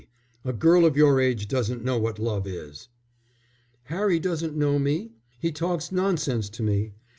A girl of your age doesn't know what love is." "Harry doesn't know me. He talks nonsense to me.